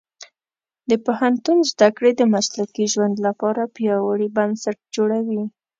د پوهنتون زده کړې د مسلکي ژوند لپاره پیاوړي بنسټ جوړوي.